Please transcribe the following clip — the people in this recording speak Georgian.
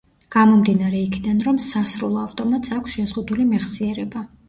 გამომდინარე იქიდან, რომ სასრულ ავტომატს აქვს შეზღუდული მეხსიერება.